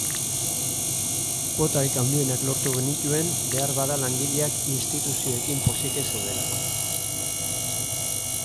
Kuotarik handienak lortu genituen beharbada langileak instituzioekin pozik ez zeudelako.